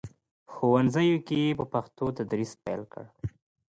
په ښوونځیو کې یې په پښتو تدریس پیل کړ.